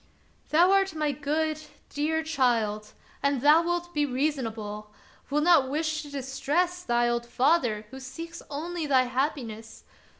" Thou art my good, dear child, and thou wilt be reasonable, wilt not wish to distress thy old father, who seeks only thy happiness.